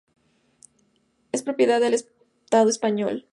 Es propiedad del Estado español.